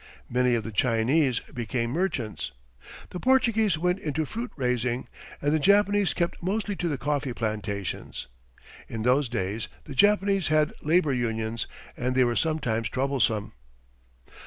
Many of the Chinese became merchants. The Portuguese went into fruit raising, and the Japanese kept mostly to the coffee plantations. In those days, the Japanese had labour unions, and they were sometimes troublesome.